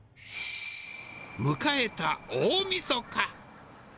迎えた大みそか。